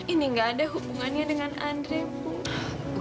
ini gak ada hubungannya dengan andre